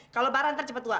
kalau barang ntar cepet tua